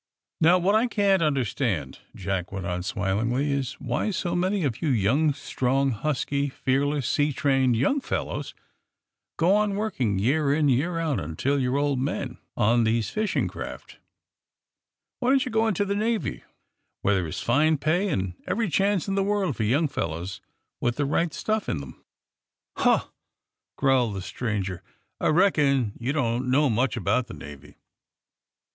"Now, what I can't understand/^ Jack went on, smilingly, "is why so many of you strong, husky, fearless, sea trained young fellows go on working, year in, year out, until you 're old men, on these fishing craft. Why don't you go into the Navy, where there is fine pay and every chance in the world for young fellows with the right stuff in them?" "Huh!" growled the stranger. "I reckon you don't know much about the Navy."